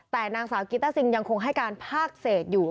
แต่นางสาวกิต้าซิงยังคงให้การภาคเศษอยู่